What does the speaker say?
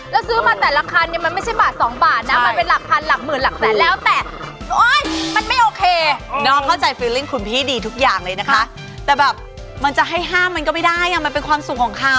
แล้วซื้อมาแต่ละคันเนี่ยมันไม่ใช่บาท๒บาทนะ